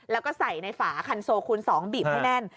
แล้วก็ใส่ในฝาคันโซคูณ๒บีบให้แน่น